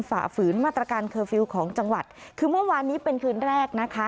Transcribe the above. ฝ่าฝืนมาตรการเคอร์ฟิลล์ของจังหวัดคือเมื่อวานนี้เป็นคืนแรกนะคะ